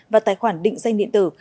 và tài khoản định danh điện tử